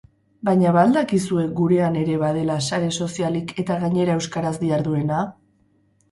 Baina ba al dakizue gurean ere badela sare sozialik eta gainera euskaraz diharduena?